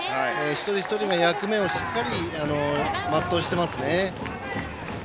一人一人が役目をしっかり全うしていますね。